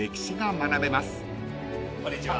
こんにちは。